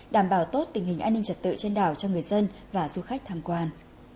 đảm bảo tốt tình hình an ninh trật tự trên đảo cho người dân và du khách tham quan